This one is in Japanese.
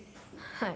はい。